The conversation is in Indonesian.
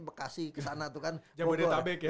bekasi kesana tuh kan jabodetabek ya